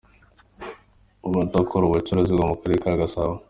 Ubu akorera ubucuruzi mu karere ka Gasabo.